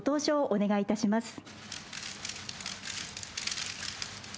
お願いいたします。